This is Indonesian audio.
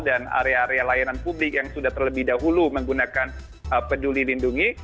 area area layanan publik yang sudah terlebih dahulu menggunakan peduli lindungi